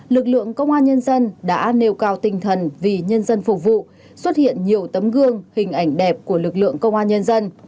lực lượng công an nhân dân đã nêu cao tinh thần vì nhân dân phục vụ xuất hiện nhiều tấm gương hình ảnh đẹp của lực lượng công an nhân dân